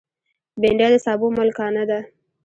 بېنډۍ د سابو ملکانه ده